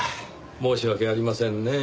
申し訳ありませんねぇ。